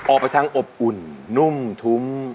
ออกไปทางอบอุ่นนุ่มทุ้ม